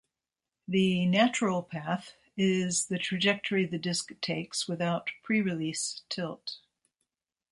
The "natural path" is the trajectory the disc takes without pre-release tilt.